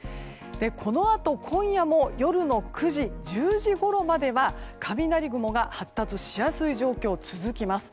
このあと今夜も夜の９時、１０時ごろまでは雷雲が発達しやすい状況が続きます。